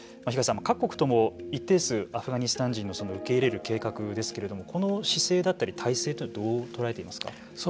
東さん、各国とも一定数アフガニスタン人の受け入れる計画ですけれどもこの姿勢だったり体制というのはどう捉えていますか。